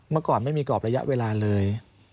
เมื่อก่อนไม่มีกรอบระยะเวลาเลย